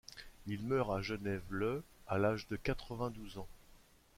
Il meurt à Genève le à l'âge de quatre-vingt-douze ans.